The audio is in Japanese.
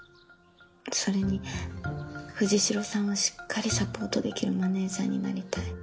それに藤代さんをしっかりサポートできるマネージャーになりたい。